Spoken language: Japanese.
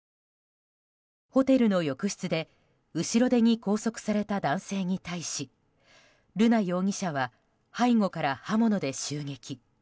ホテルの浴室で後ろ手に拘束された男性に対し瑠奈容疑者は背後から刃物で襲撃。